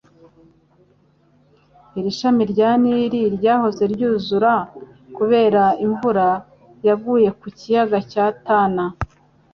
Iri shami rya Nili ryahoze ryuzura kubera imvura yaguye mu kiyaga cya Tana